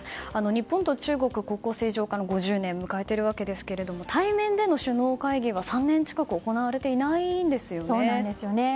日本と中国は国交正常化５０年を迎えているわけですが対面での首脳会議は３年近く行われていないんですよね。